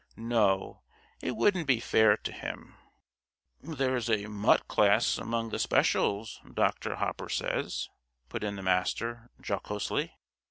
No, it wouldn't be fair to him." "There's a 'mutt' class among the specials, Dr. Hopper says," put in the Master, jocosely.